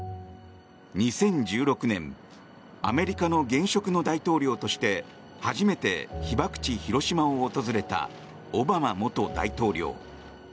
２０１６年アメリカの現職の大統領として初めて被爆地・広島を訪れたオバマ元大統領。